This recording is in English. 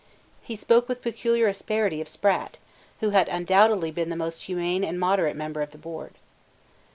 He spoke with peculiar asperity of Sprat, who had undoubtedly been the most humane and moderate member of the board.